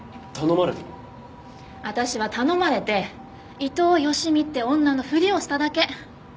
私は頼まれて伊藤佳美って女のふりをしただけ。